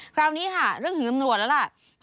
คราวนี้ค่ะเรื่องถึงตำรวจแล้วล่ะ